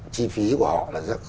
chi phí của họ là rất